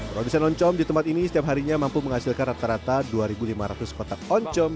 produsen oncom di tempat ini setiap harinya mampu menghasilkan rata rata dua lima ratus kotak oncom